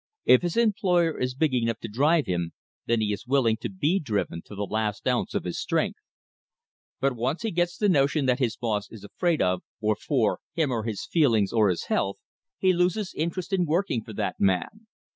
If his employer is big enough to drive him, then he is willing to be driven to the last ounce of his strength. But once he gets the notion that his "boss" is afraid of, or for, him or his feelings or his health, he loses interest in working for that man.